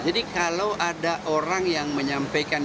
jadi kalau ada orang yang menyampaikan